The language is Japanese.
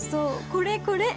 これこれ！